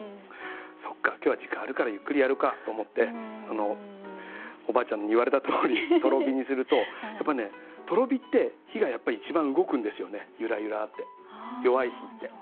「そっか今日は時間あるからゆっくりやるか」と思っておばあちゃんに言われたとおりとろ火にするとやっぱねゆらゆらって弱い火って。